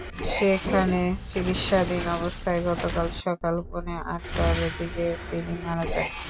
সেখানে চিকিৎসাধীন অবস্থায় গতকাল সকাল পৌনে আটটার দিকে তিনি মারা যান।